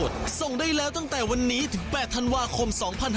ส่งได้แล้วตั้งแต่วันนี้ถึง๘ธันวาคม๒๕๖๒